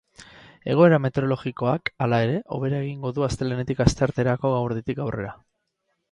Egoera meteorologikoak, hala ere, hobera egingo du astelehenetik astearterako gauerditik aurrera.